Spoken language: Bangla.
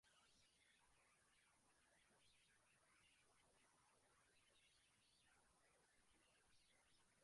এম হাসান আলী খান বেশ কয়েকটি পোস্টে নেতৃত্ব দেন।